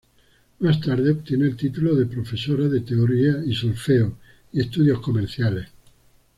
Más tarde obtiene el título de Profesora de Teoría y Solfeo y Estudios Comerciales.